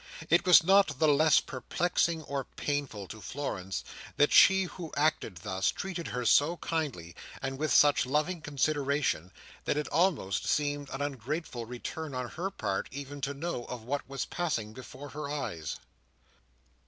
It was not the less perplexing or painful to Florence, that she who acted thus, treated her so kindly and with such loving consideration, that it almost seemed an ungrateful return on her part even to know of what was passing before her eyes.